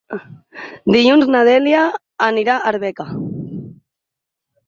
Dilluns na Dèlia anirà a Arbeca.